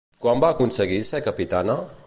Quan va aconseguir ser capitana?